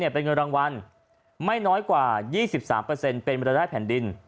เป็นเงินรางวัลไม่น้อยกว่า๒๓เป็นรายได้แผ่นดิน